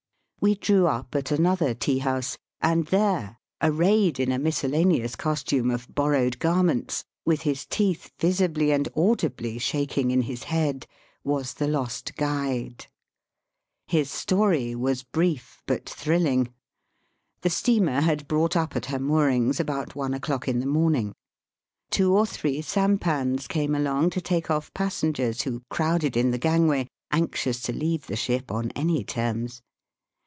We drew up at another tea house, and there, arrayed in a miscellaneous costume of borrowed garments, with his teeth visibly and audibly shaking in his head, was the lost guide. His story was brief but thrilling. The steamer had brought up at her moorings about one o'clock in the morning. Two or three sampans came along to take off passengers who crowded in the gangway, anxious to leave the ship on any terms.